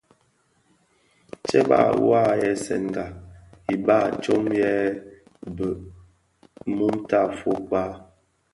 Tsèba wua a ghèsèga iba tsom yè bheg mum tafog kpag.